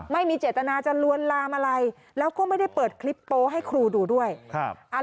ไม่มีเจตนาจะลวนลามอะไรแล้วก็ไม่ได้เปิดคลิปโป๊ให้ครูดูด้วยครับ